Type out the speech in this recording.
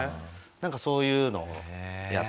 なんかそういうのをやって。